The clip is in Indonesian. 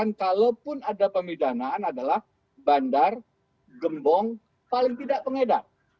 kalaupun ada pemidanaan adalah bandar gembong paling tidak pengedar